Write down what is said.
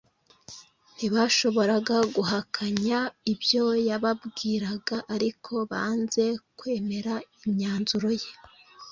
Ntibashoboraga guhakanya ibyo yababwiraga, ariko banze kwemera imyanzuro ye.